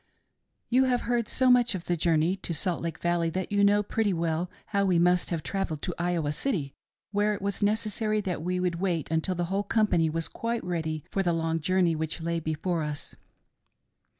" You have heard so much of the journey to Salt Lake Val ley that you know pretty well how we must have travelled to Iowa City where it was necessary that we should wait until the whole company was quite ready for the long journey which lay before us.